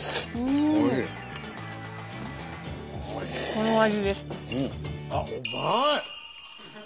この味です。